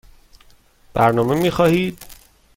برنامه می خواهید؟